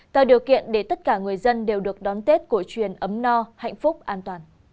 tạo điều kiện để tất cả người dân đều được đón tết cổ truyền ấm no hạnh phúc an toàn